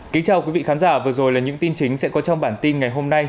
kính chào quý vị khán giả vừa rồi là những tin chính sẽ có trong bản tin ngày hôm nay